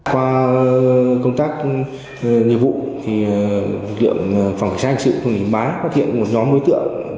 qua công tác nhiệm vụ thì phòng cảnh sát hình sự công an tỉnh yên bái phát hiện một nhóm mối tượng